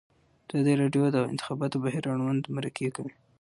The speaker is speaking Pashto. ازادي راډیو د د انتخاباتو بهیر اړوند مرکې کړي.